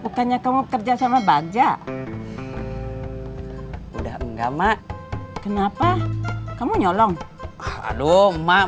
bukannya kamu kerja sama bagja udah enggak mak kenapa kamu nyolong aduh emak